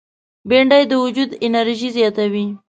بېنډۍ د وجود انرژي زیاتوي